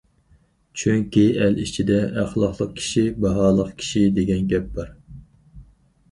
چۈنكى، ئەل ئىچىدە:‹‹ ئەخلاقلىق كىشى باھالىق كىشى›› دېگەن گەپ بار.